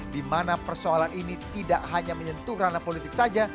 dimana persoalan ini tidak hanya menyentuh ranah politik saja